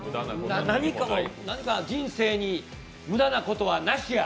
何か、人生に無駄なことはなしや。